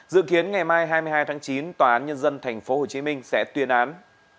dự kiến ngày mai hai mươi hai tháng chín tòa án nhân dân tp hcm sẽ tuyên án